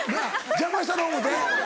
邪魔したろ思うて？